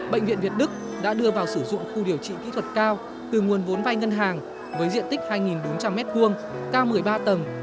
bệnh viện việt đức đã đưa vào sử dụng khu điều trị kỹ thuật cao từ nguồn vốn vai ngân hàng với diện tích hai bốn trăm linh m hai cao một mươi ba tầng